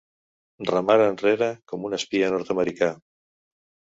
Remar enrere com un espia nord-americà.